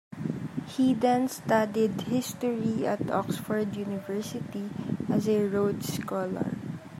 He then studied history at Oxford University as a Rhodes Scholar.